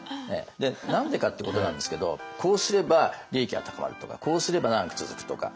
何でかってことなんですけどこうすれば利益は高まるとかこうすれば長く続くとか。